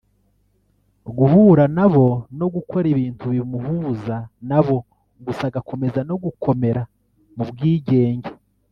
guhura nabo no gukora ibintu bimuhuza nabo gusa agakomeza no gukomera ku bwigenge